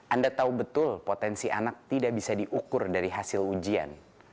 anda tahu betul potensi anak tidak bisa diukur dari hasil ujian